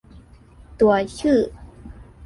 ตัวชื่อ